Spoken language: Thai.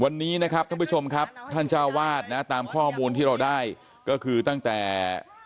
วันนี้นะครับท่านผู้ชมครับท่านเจ้าวาดนะตามข้อมูลที่เราได้ก็คือตั้งแต่